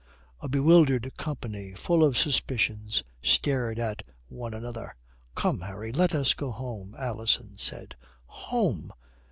A bewildered company, full of suspicions, stared at one another. "Come, Harry, let us go home," Alison said. "Home!"